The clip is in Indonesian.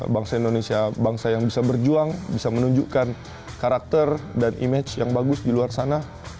bangsa indonesia bangsa yang bisa berjuang bisa menunjukkan karakter dan image yang bagus di luar sana